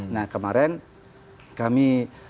nah kemarin kami